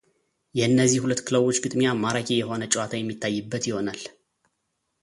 የእነዚህ ሁለት ክለቦች ግጥሚያ ማራኪ የሆነ ጨዋታ የሚታይበት ይሆናል።